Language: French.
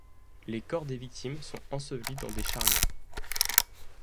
Les corps des victimes sont ensevelis dans des charniers.